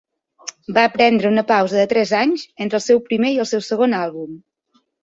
Va prendre una pausa de tres anys entre el seu primer i el seu segon àlbum.